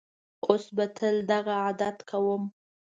اوس به تل دغه عادت کوم.